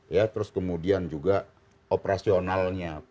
ya terus kemudian juga operasionalnya